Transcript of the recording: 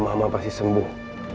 yakin kalau mama pasti sembuh